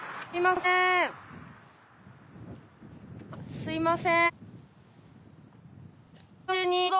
すみません。